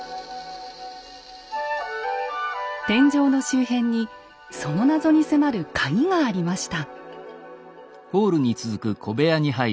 天井の周辺にその謎に迫るカギがありました。